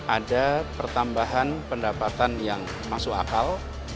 ada pertambahan pendapatan yang masuk akal